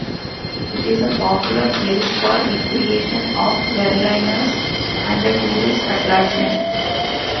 It is a popular place for recreation of Berliners and a tourist attraction.